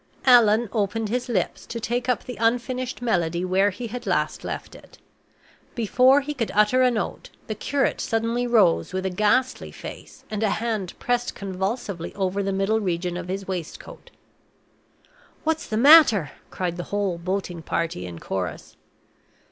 Allan opened his lips to take up the unfinished melody where he had last left it. Before he could utter a note, the curate suddenly rose, with a ghastly face, and a hand pressed convulsively over the middle region of his waistcoat. "What's the matter?" cried the whole boating party in chorus.